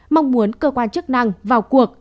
mong muốn cơ quan chức năng vào cuộc